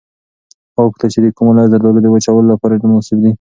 هغه وپوښتل چې د کوم ولایت زردالو د وچولو لپاره ډېر مناسب دي.